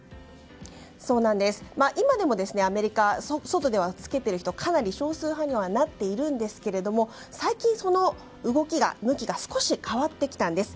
今でもアメリカは外では着けている人かなり少数派にはなっているんですけれども最近、その動きが、向きが少し変わってきたんです。